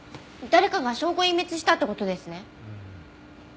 誰かが証拠隠滅したって事ですね。